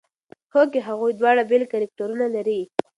هوکې هغوی دواړه بېل کرکټرونه لري.